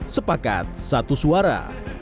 sepakat satu suara